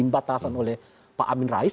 batasan oleh pak amin rais